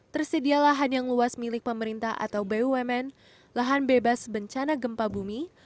tersedia lahan yang luas milik pemerintah atau bumn lahan bebas bencana gempa bumi